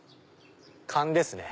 勘ですね。